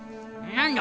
何だ？